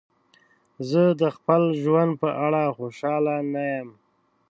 زه د خپل ژوند په اړه خوشحاله نه یم.